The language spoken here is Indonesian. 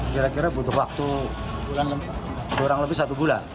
kira kira butuh waktu kurang lebih satu bulan